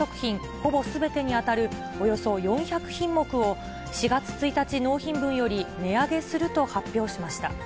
ほぼすべてに当たるおよそ４００品目を、４月１日納品分より値上げすると発表しました。